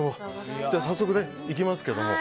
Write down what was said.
じゃあ早速いきますけど。